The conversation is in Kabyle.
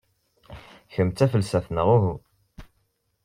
Kemm d tafelsaft neɣ uhu?